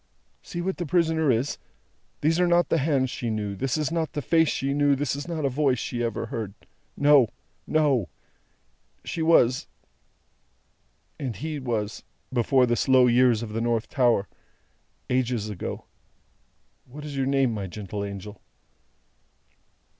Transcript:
See what the prisoner is. These are not the hands she knew, this is not the face she knew, this is not a voice she ever heard. No, no. She was and He was before the slow years of the North Tower ages ago. What is your name, my gentle angel?"